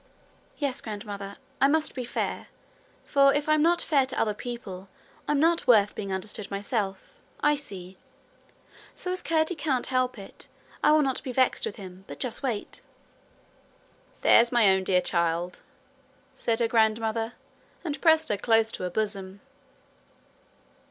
'Yes, grandmother. I must be fair for if I'm not fair to other people, I'm not worth being understood myself. I see. So as Curdie can't help it, I will not be vexed with him, but just wait.' 'There's my own dear child,' said her grandmother, and pressed her close to her bosom.